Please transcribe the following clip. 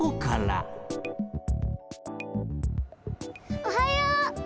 おはよう！